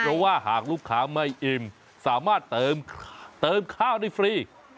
เพราะว่าหากลูกค้าไม่อิ่มสามารถเติมข้าวได้ฟรี